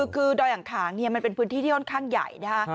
คือดอยอังขางมันเป็นพื้นที่ที่ค่อนข้างใหญ่นะคะ